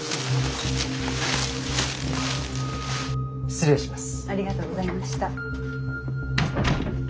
失礼します。